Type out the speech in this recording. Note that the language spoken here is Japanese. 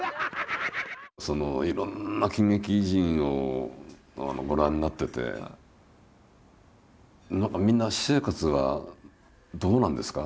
いろんな喜劇人をご覧になってて何かみんな私生活はどうなんですか？